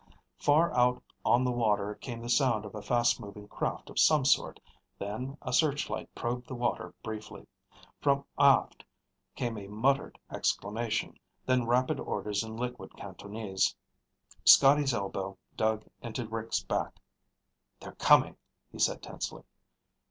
Far out on the water came the sound of a fast moving craft of some sort, then a searchlight probed the water briefly. From aft came a muttered exclamation, then rapid orders in liquid Cantonese. Scotty's elbow dug into Rick's back. "They're coming," he said tensely.